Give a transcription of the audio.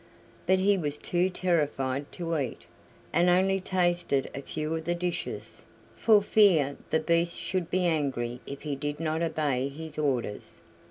But he was too terrified to eat, and only tasted a few of the dishes, for fear the Beast should be angry if he did not obey his orders.